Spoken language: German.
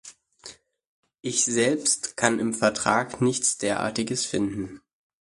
Ich selbst kann im Vertrag nichts Derartiges finden.